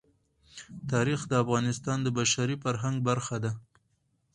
تاریخ د افغانستان د بشري فرهنګ برخه ده.